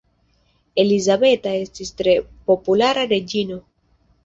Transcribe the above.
Elizabeta estis tre populara reĝino.